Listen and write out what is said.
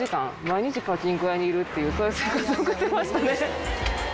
毎日パチンコ屋にいるっていうそういう生活を送ってましたね。